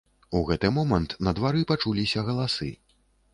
У гэты момант на двары пачуліся галасы.